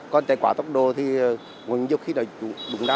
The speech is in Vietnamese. còn chạy quá tốc độ thì nhiều khi là đúng đá